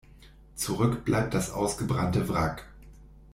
Zurück bleibt das ausgebrannte Wrack.